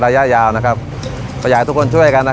แต่ละการอัดมันจะไม่กระเด็นแปลงอยู่กระเด็นใส่หน้าเรา